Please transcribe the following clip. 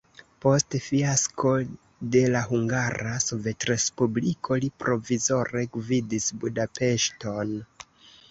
Post fiasko de la Hungara Sovetrespubliko li provizore gvidis Budapeŝton.